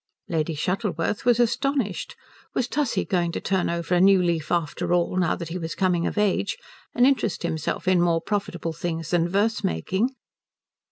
Lady Shuttleworth was astonished. Was Tussie going to turn over a new leaf after all, now that he was coming of age, and interest himself in more profitable things than verse making?